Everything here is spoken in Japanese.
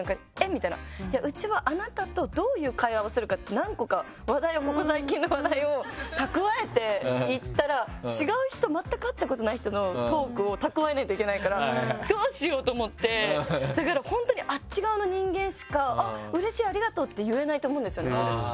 みたいなうちはあなたとどういう会話をするか何個か話題をここ最近の話題を蓄えて行ったら違う人全く会ったことない人のトークを蓄えないといけないからどうしようと思ってだから本当にあっち側の人間しか「うれしいありがとう！」って言えないと思うんですよねそれ。